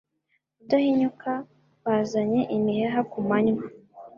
Rudahinyuka bazanye imiheha kumanywa